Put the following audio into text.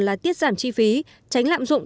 là tiết giảm chi phí tránh lạm dụng